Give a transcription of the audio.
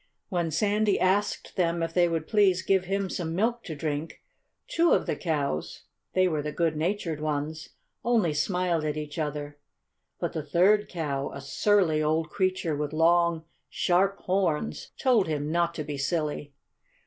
When Sandy asked them if they would please give him some milk to drink two of the cows (they were the good natured ones) only smiled at each other. But the third cow (a surly old creature with long, sharp horns) told him not to be silly.